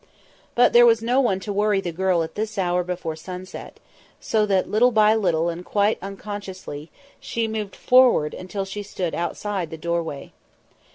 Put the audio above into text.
But there was no one to worry the girl at this hour before sunset, so that little by little and quite unconsciously she moved forward until she stood outside the doorway.